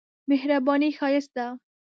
مهرباني ښايست ده.